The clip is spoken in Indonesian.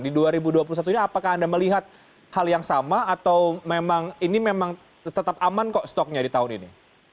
di dua ribu dua puluh satu ini apakah anda melihat hal yang sama atau memang ini memang tetap aman kok stoknya di tahun ini